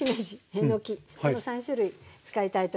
えのきこの３種類使いたいと思います。